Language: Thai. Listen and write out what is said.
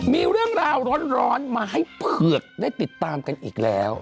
มีเรื่องราวร้อนมาให้เผือกได้ติดตามกันอีกแล้ว